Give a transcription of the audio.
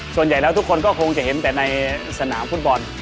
ส่วนใหญ่แล้วทุกคนก็คงจะเห็นแต่ในสนามฟุตบอล